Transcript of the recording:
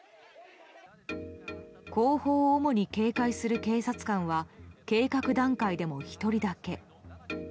後方を主に警戒する警察官は計画段階でも１人だけ。